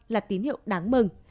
là tín hiệu đáng mừng